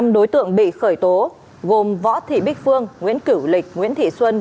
năm đối tượng bị khởi tố gồm võ thị bích phương nguyễn cửu lịch nguyễn thị xuân